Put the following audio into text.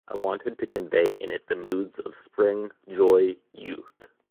I wanted to convey in it the moods of spring, joy, youth.